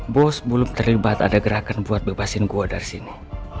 bos belum terlibat ada gerakan buat bebasin bosnya